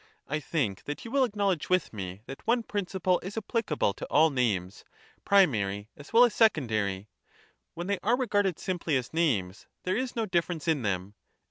I think that you will acknowledge with me, that one principle is apphcable to all names, primary as well as secondary — when they are regarded simply as names, there is no difference in them.